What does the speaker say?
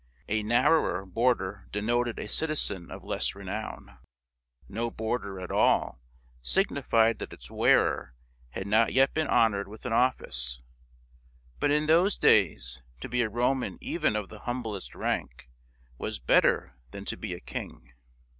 A narrower border denoted a citizen of less renown; no border at all signified that its wearer 202 THIRTY MORE FAMOUS STORIES had not yet been honored with an office. But in those days to be a Roman even of the humblest rank was better than to be a king.